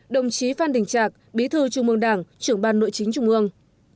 hai mươi hai đồng chí phan đình trạc bí thư trung mương đảng trưởng ban nội chính trung mương